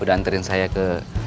udah anterin saya ke